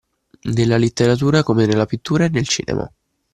Nella letteratura come nella pittura e nel cinema